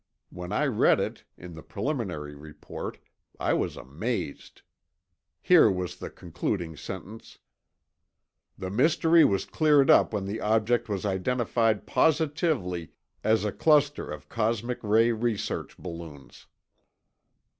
When I read it, in the preliminary report, I was amazed. Here was the concluding sentence: "The mystery was cleared up when the object was identified positively as a cluster of cosmic ray research balloons."